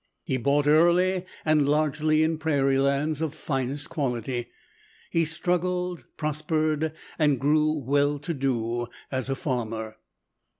He bought early and largely in prairie lands of finest quality. He struggled, prospered, and grew well to do as a farmer.